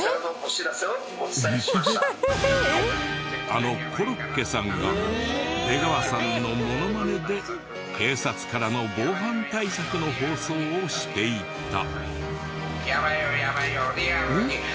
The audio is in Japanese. あのコロッケさんが出川さんのモノマネで警察からの防犯対策の放送をしていた。